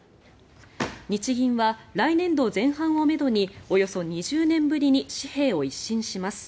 日銀は来年度前半をめどにおよそ２０年ぶりに紙幣を一新します。